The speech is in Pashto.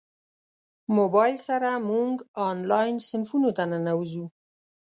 موبایل سره موږ انلاین صنفونو ته ننوځو.